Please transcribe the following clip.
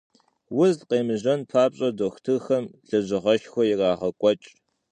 Уз къемыжьэн папщӀэ, дохутырхэм лэжьыгъэшхуэ ирагъэкӀуэкӀ.